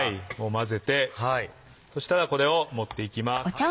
混ぜてそしたらこれを盛っていきます。